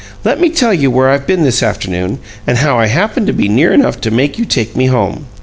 "Let me tell you where I've been this afternoon and how I happened to be near enough to make you take me home.